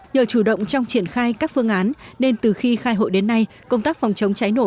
nhờ chủ động trong triển khai các phương án nên từ khi khai hội đến nay công tác phòng chống cháy nổ